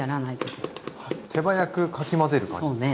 手早くかき混ぜる感じですか？